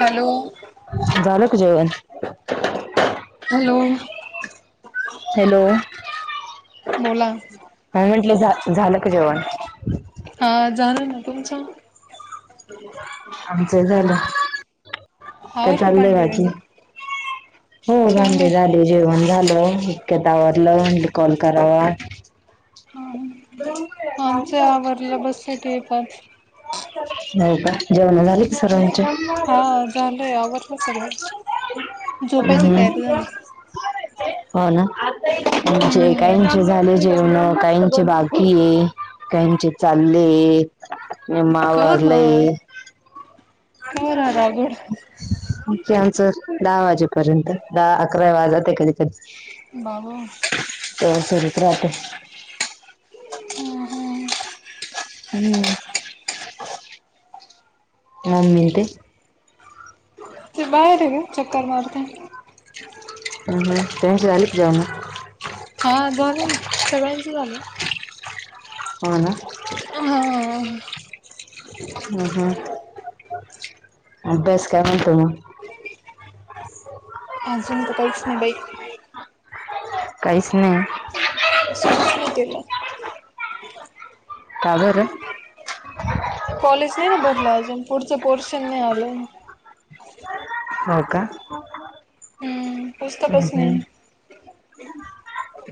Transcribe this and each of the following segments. Hello झालं का जेवण हॅलो हॅलो बोला हा म्हंटलं झालं का जेवण हा झालं ना तुमचं आमचं झालं का आवरलं चाललंय भांडे बाकी भांडे हो काय भांडी नाही झाली जेवण झालं इतक्या आवरलं कॉल कर ह हा आमच्या आवरलं बसले टीव्ही पाहत ब हो का जेवण झालीच सर्वांच्या हा झालंय आवरलं सगळं झोपायच हम्म. तयारी झाले हो ना म्हणजे हम्म काहींचे झाले जेवणं काहींचे बाकी हे काहींचे चाललेत निम्म कवर मावळ आवरलंय कवर हा रागोड आमचं ह्यांच दहा वाजेपर्यंत दहा अकरा वाजाते कधी कधी बाबा तर सरीत राहते ह ह हम् मम्मी ते ते बाहेर आहे ग चक्कर मारता [unintelligible] हा झाले ना सगळ्यांचे झाले हो अ हा हा ह हा अभ्यास काय म्हणतोय मं अजून तर काहीच नाही बाई काहीच नाही सुरूच नाही केलं का बरं कॉलेज नाही ना भरलं अजून पुढचं पोर्शन नाही आलं हो का हम्म हम्म पुस्तकच नाही हम्म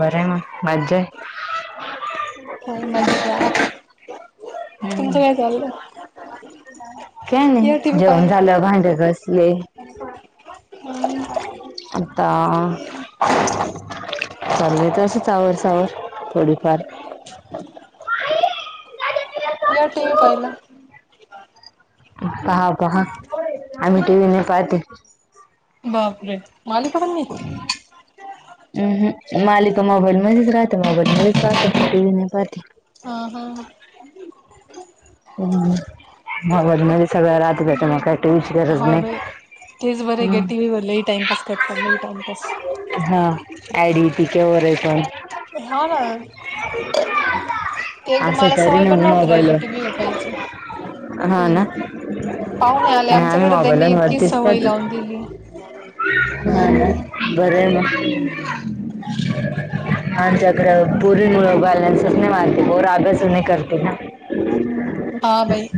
बरं आहे म मज्जा आहे हो मज्जा तुमचं काय चाललं काय या टी नाही व्ही जेवणं झालं भांड घासले हो हम् आता चाललंय तसं सावर सावर थोडीफार या टीव्ही पाहिलाय पहा पहा आम्ही टीव्ही नाही पाहते बापरे मालिका पण नाही हम् हम मालिका मोबाईल मध्येच राहते, मोबाईल मध्येच पाहते टीव्ही नाही पाहते हा हा हम्म मोबाइलमध्ये सगळं राहतं त्यांच्यामुळं काय टीव्हीची गरज हा नाही. बाई तेच बरं हाय हम्म. गं टीव्ही वर लय टाईमपास करतं चाललंय टाईमपास डीपी च्या वर आय कोण ना ते एकदा असं मला तरी सवय म पण नव्हती राहिली मोगडलं टी व्ही वर पाहायची हा ना पाहुणे आले नाही आम्ही आमच्याकडे त्यांनी मोबाईलून इतकी भरतेच सवय पत लावून दिली हा बर मग आमच्याकडे पोरी मुळ बॅलेनसेसच नाही मारते पोर आभेस नाही करते ना हम् हा भाई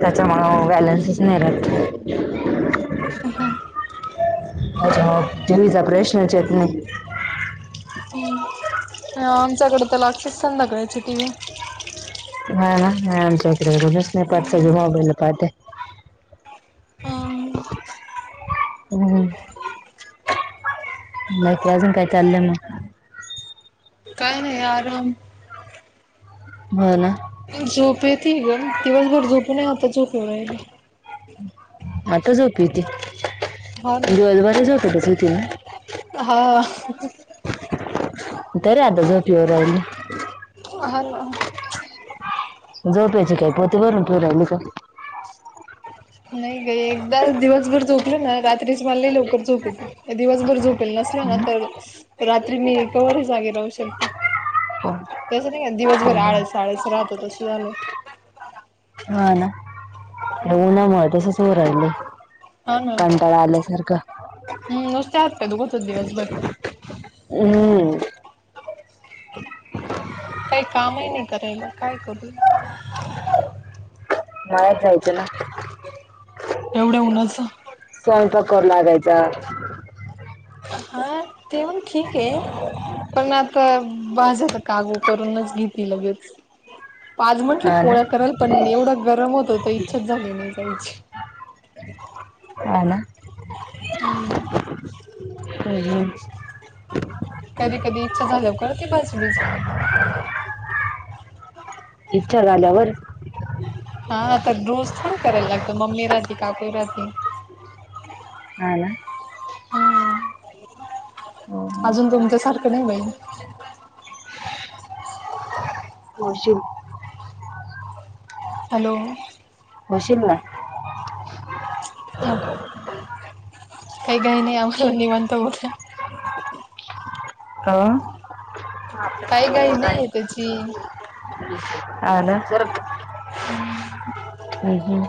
त्याच्यामुळं बॅलन्सच नाही भरत ह ह अच्छा हो जलीचा प्रश्नचे येत नाही ह आमच्याकडे तर लागतेच संध्याकाळची टी व्ही हा ना हा आमच्याकडे सगळे पाच्या मोबाईल पाहतात व्ही ह नाही काय अजून काय चालं मग काय नाही आराम हो ना? झोप येते ग दिवसभर झोप नाही आता झोपलोय. आता झोप येती, ना. दिवसभरही झोपतच होती. अ तरी आता झोपेवर राहिली अहन झोप्याची काही पोते भरून ठेवू राहिली का? नाही ग एकदा दिवसभर झोपल ना रात्री तरीच मला लवकर झोप येत दिवसभर झोपेल नसल ना तर रात्री मी कवरही जागे राहू शकते. ते. होम् नाही दिवसभर आळस-आळस राहतो तस झाले झालंय. हा ना, या उन्हामुळे तसंच होऊ राहिले. हा ना कंटळा आल्यासारखं. का दोघ तो दिवस बर. हम्! काही कामही नाही करायला, काय करू? बाहेर जायचं ना, एवढ्या उन्हाचं. स्वयंपाक करू लागयचा. हा, ते पण ठीक आहे पण आता बाजता काम करूनच घेती लगेच. आज म्हणलं हा ना पोळ्या कराव्या पण एवढा गरम होत होतं, इच्छाच झाली नाही कायाची. अ ना? हम हम. कधी-कधी इच्छा झाल्यावर करते भाजीबीजी इच्छा झाल्यावर? हा, तर रोज थोडी करायला लागतं मम्मी राहती काकूही राहती. ह ना. हम्म. अजून तुमच्या सारखं नाही बाई. नशीब. हॅलो! बशील ना. नको. काही-काही नाही आम्हाला निवांत बोल [unintelligible] अ? काही घाई नाही त्याची अ ना? ह ह.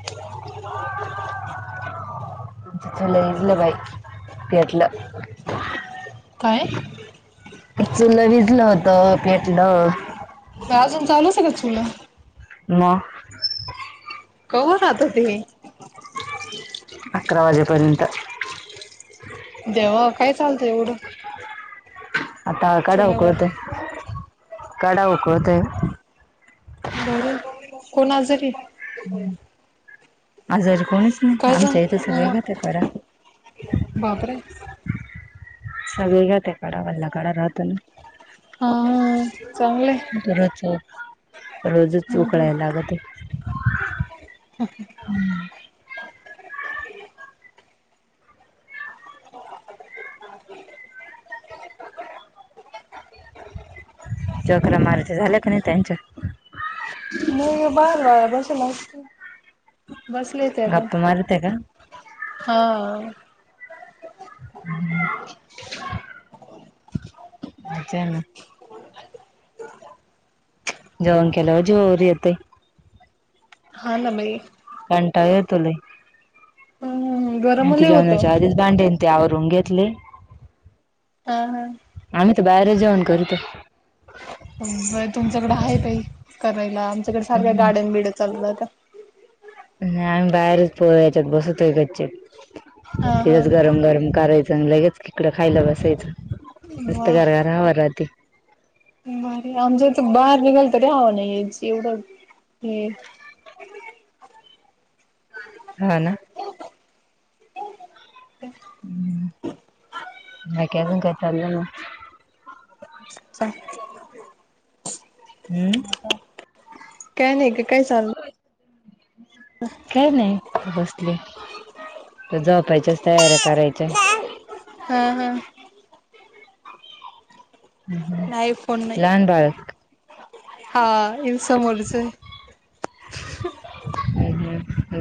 [unintelligible] लं इजलं बाई तेटलं. काय? चुलं विजलं होत पेटलं. अजून चालूच का चुला? म. कव्ह नव्हतं ते? अकरा वाजेपर्यंत. देवा, काय चालतं एवढं. आता कडा चुल्यावर उकळते, कडा उकळते. बर, कोण आजारी? आजारी कोणीच नाही, काय आमच्या इथं सगळे झालं घेते कडा. बापरे! सगळी ग तेकाड वालकड राहतन. हा! चांगलंय तर रच रोजच हम्म हम्म उकळाय लागत. हम्म. ह. चकरा ला मारच झाले क त्यानच्या? मग बार वार बसेल असतो. बसले ते पण गप्पा मारते का हा. मजा ना. जवण केल्यावर जीवावर येतय. हा न बाई. कंटाळा येतो लाई. हम्म आणि गरम ते लय होतं जेवणाच्या आधीच भांडेन ते आवरून घेतले. ह हा. आम्ही तर बाहेर जाऊन कर ते. तुमच्याकडे आहे बाई करायला आमच्याकडे सारख्या हम्म. गाडन बिड चालु राहत्या. ह. नाही आम्ही बाहेरच पोह याच्यात बसतो कच्चित हा हा तिथंच गरम गरम करायच. चांगलं गच किकडं खायला बसायचं. मस्त वा गार गार हवा राहते. भारी. आमच्या इथ बाहेर निघाल तररी हवं नाही या एवढं हे. हा ना. हम् नाही का मग काय चाललेलं? च् चां. हम्म. काय नाही ग काय चाललं? काही नाही बसले. तर जोपायच्याच तयारी्या करायच्या. हम्म हम्. हम् हम नाही फोन नाही लहान बाळक हा इ समोरचय.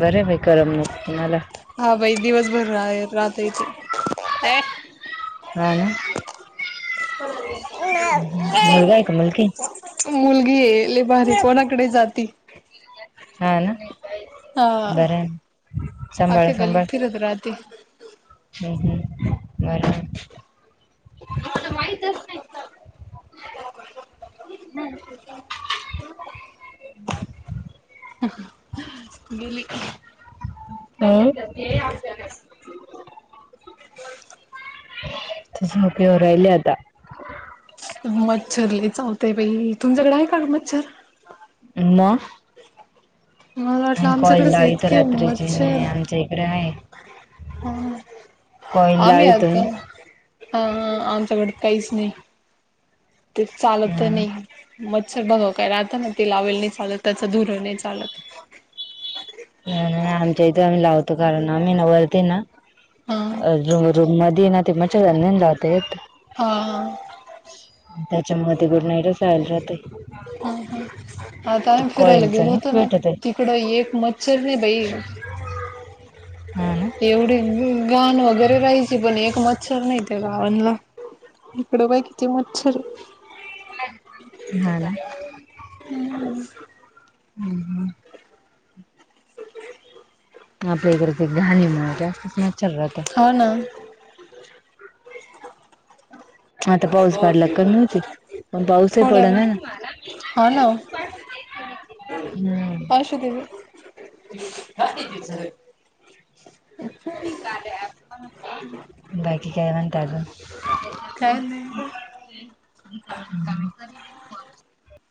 बरे बाई करमनुक तुम्हाला. हा बाई दिवसभर आहे राहातय ते. हा ना? कोणा? मुलगा आहे का मुलगी मुलगी ये लाई भारी कोणाकडे जाती. हा ना हा बर ना. सांभाळ अख्ख्या गल्लीत सांभाळ फिरत राहते हम्म हम्म. बरं. आम्हाला माहितच नाही. बली का? अं? आता झोप येऊ राहिली आता. मच्छर लई चावते बाई तुमच्याकडे आहे का मच्छर? ना. मला वाटलं आणि कॉयल आमच्याकडेच लावितो इतके रात्रीचे आमच्या इकडे आहे. हम कॉईल आम्ही लावितोय आता हा हा आमच्याकड काहीच नाही. ते चालत नाही. मच्छर बघाव काय राहता ना? ते लावेल नाही चालत त्याचं धूर नाही चालत. नाही नाही आमच्या इथे आम्ही लावतो. कारण आम्ही ना वरते ना? हा अ रूममध्ये ना ते मच्छरदाणी नाही ना लावता येत. हा त्याच्यामुळे ते गड नाईटच रायला राहते. ह ह आता ते फिरायला कॉईलच गेलो नाही होतो ना भेटत आहे तिकड एक मत विर नाही बाई हा एवढे घाण वगैरे राहायची पण एक मच्छर नाही ते गावांला इकडे बाई किती मच्छर आहे हा हम् आपल्या इकडेच घाणी म्हण जास्तच मच्छर राहत हा ना. आता पाऊस पडला कमी होती पण पाऊस थोडा पड ना ना हा ना अशू दे गं. हम्म [inaudible] बाकी काय म्हणता अजून काय नाही गं [unintelligible] [inaudible]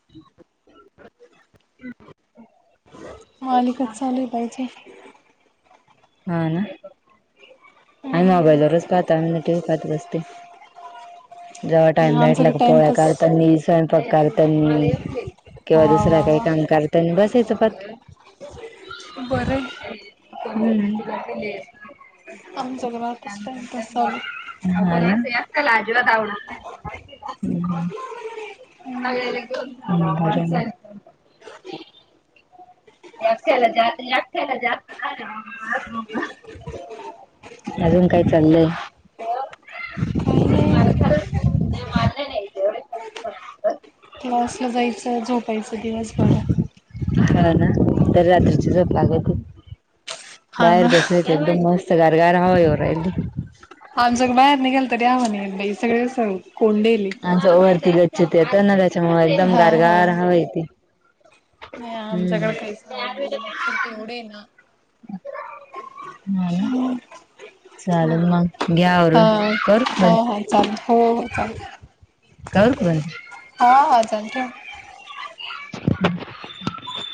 अलकत चालूय बाईचे हा ना आम्ही मोबाईल वरच पाहतो आम्ही टी व्ही पाहतो बसते जेव्हा टाइम भेटला आमच्याकडे का पोळ्या टाइमपास करतानी स्वयंपाक करतानी किंवा वा दुसरा वा काही वा काम करत बसायचं पत् बरं हम् न बा आमच्याकडे आताच टाइमपास चालू आहे. हा हम [inaudible] [inaudible] एकट्याला जातो अजून काय चाललंय काही नाही अ क्लासला जायचं झोपायचं दिवसभर हा ना तर रात्रीची जप लागते हा बाहेर ना. बसवायच एकदम मस्त गारगार हवा येऊ राहिली आमच्यात बाई निघालं तरी हवा नाहीये सगळेच आ वरती गच्छित तर ना त्याच्यामुळे एकदम हा हा. गारगार हवा येती नाही आमच्याकडे हम्म काहीच हवा नाही मच्छर ते एवढे आहे ना हा ना हम् चालेल मग घ्या आवरून करू हा हा चालेल हो हो चालेल का क ब हा हा जात हम्